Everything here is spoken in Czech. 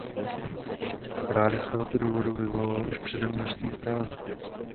Právě z tohoto důvodu vyvolalo už předem množství otázek.